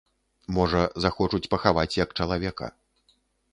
Можа, захочуць пахаваць як чалавека.